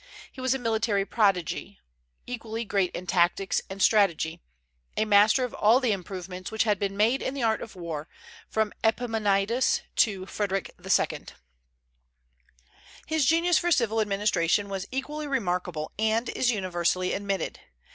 He was a military prodigy, equally great in tactics and strategy, a master of all the improvements which had been made in the art of war, from Epaminondas to Frederic II. His genius for civil administration was equally remarkable, and is universally admitted.